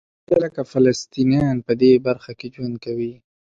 درې لکه فلسطینیان په دې برخه کې ژوند کوي.